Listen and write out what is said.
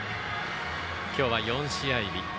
今日は４試合日。